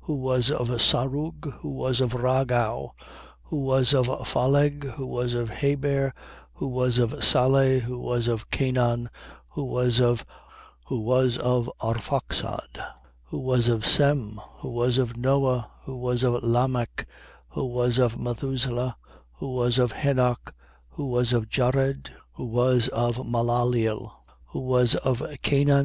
Who was of Sarug, who was of Ragau, who was of Phaleg, who was of Heber, who was of Sale, 3:36. Who was of Cainan, who was of Arphaxad, who was of Sem, who was Of Noe, who was of Lamech, 3:37. Who was of Mathusale, who was of Henoch, who was of Jared, who was of Malaleel, who was of Cainan, 3:38.